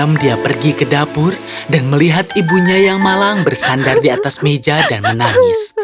jam dia pergi ke dapur dan melihat ibunya yang malang bersandar di atas meja dan menangis